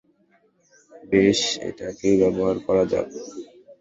বেশ, এটাকেই ব্যবহার করা যাক।